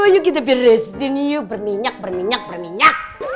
yuk kita beresin yuk berminyak berminyak berminyak